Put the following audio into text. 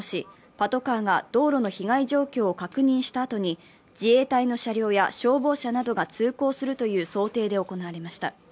パトカーが道路の被害状況を確認したあとに自衛隊の車両や消防車などが通行するという想定で行われました。